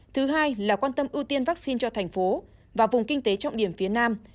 thứ hai là quan tâm ưu tiên vaccine cho thành phố và vùng kinh tế trọng điểm phía nam